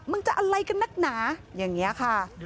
มันจะอะไรกันนักหนาอย่างนี้ค่ะ